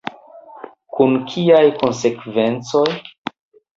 Kun kiaj konsekvencoj?